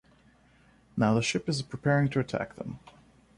Now, the ship is preparing to attack them.